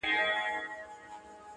خوله يوه ښه ده، خو خبري اورېدل ښه دي~